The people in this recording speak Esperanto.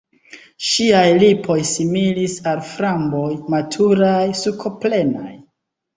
Ŝiaj lipoj similis al framboj, maturaj, sukoplenaj.